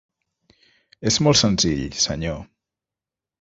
És molt senzill, senyor.